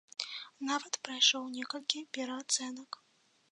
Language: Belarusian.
Нават прайшоў некалькі пераацэнак.